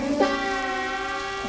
ianya kagak jelas